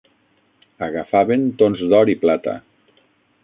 Agafaven tons d'or i plata.